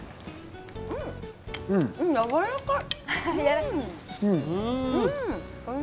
やわらかい。